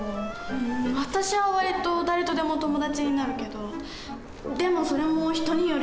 うん私は割と誰とでも友達になるけどでもそれも人によるよね。